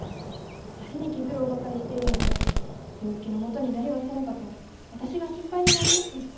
あまりに気苦労ばかりしているので病気のもとになりはせぬかと私が心配になります。